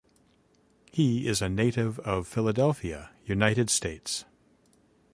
He is a native of Philadelphia, United States.